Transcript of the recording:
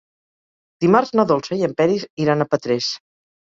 Dimarts na Dolça i en Peris iran a Petrés.